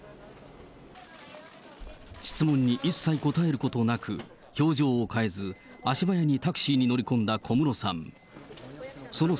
質問に一切答えることなく、表情を変えず、足早にタクシーに乗り込んだ小室さん。